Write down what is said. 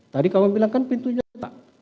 tadi kamu bilang kan pintunya tak